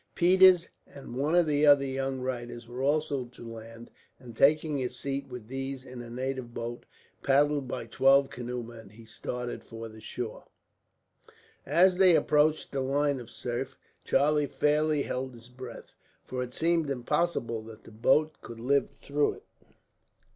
Peters and one of the other young writers were also to land; and, taking his seat with these in a native boat, paddled by twelve canoe men, he started for the shore. As they approached the line of surf, Charlie fairly held his breath; for it seemed impossible that the boat could live through it.